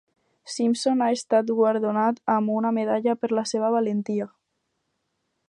Simpson ha estat guardonat amb una medalla per la seva valentia.